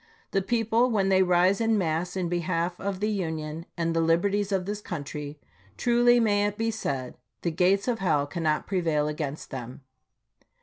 The people, when they rise in mass in behalf of the Union and the liberties of this country, truly may it be said, " The gates of hell cannot prevail against them."